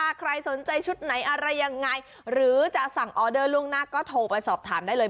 ถ้าใครสนใจชุดไหนอะไรยังไงหรือจะสั่งออเดอร์ล่วงหน้าก็โทรไปสอบถามได้เลย